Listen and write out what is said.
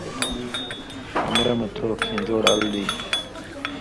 کمرہ مہ تُھو کھیں زوڑہۡ ال دی۔